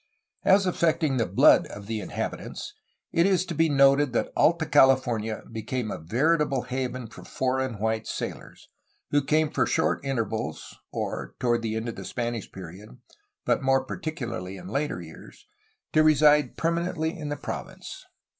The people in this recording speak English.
As affecting the blood of the inhabitants it is to be noted that Alta CaUfornia became a veritable haven for foreign white sailors, who came for short intervals or (toward the end of the Spanish period, but more particularly in later years) to reside permanently in the province.